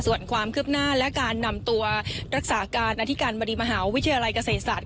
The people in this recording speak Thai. ส่วนความคืบหน้าและการนำตัวรักษาการอธิการบดีมหาวิทยาลัยเกษตรศาสต